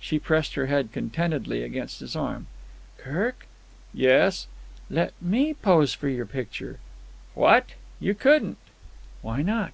She pressed her head contentedly against his arm. "Kirk." "Yes?" "Let me pose for your picture." "What! You couldn't!" "Why not?"